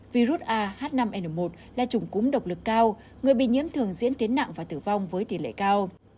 virus ah năm n một là chủng cúm độc lực cao người bị nhiễm thường diễn tiến nặng và tử vong với tỷ lệ cao